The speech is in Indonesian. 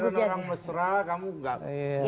biasanya orang mesra kamu enggak